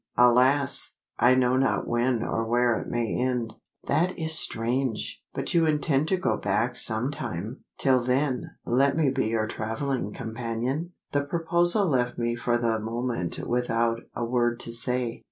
"Alas! I know not when or where it may end." "That is strange! But you intend to go back some time? Till then, let me be your travelling companion?" The proposal left me for the moment without a word to say.